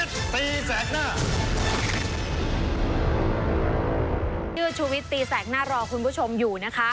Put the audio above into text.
ยืดชุวิตตีแสกหน้ารอคุณผู้ชมอยู่นะคะ